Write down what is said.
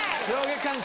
・上下関係？